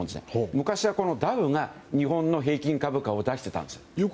昔はダウが日本の平均株価を出していたんです。